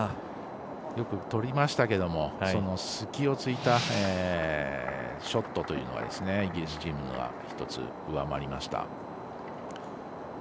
よくとりましたけれどもその隙を突いたショットというのがイギリスチームは１つ上回りました。